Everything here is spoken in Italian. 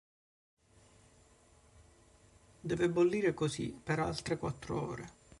Deve bollire così per altre quattro ore.